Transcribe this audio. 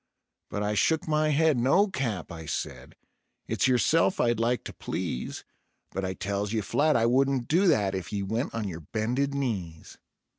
But I shook my head: "No, Cap," I said; "it's yourself I'd like to please, But I tells ye flat I wouldn't do that if ye went on yer bended knees."